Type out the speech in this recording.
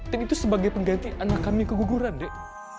dan itu sebagai pengganti anak kami keguguran dek